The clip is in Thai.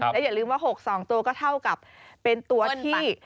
แล้วอย่าลืมว่า๖๒ตัวก็เท่ากับเป็นตัวที่